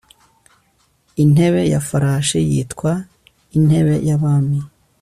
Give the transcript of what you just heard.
intebe ya farashi yitwa intebe yabami